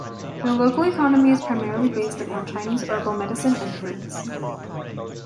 The local economy is primarily based upon Chinese herbal medicine and fruits.